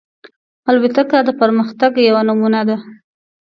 الوتکه د پرمختګ یوه نمونه ده.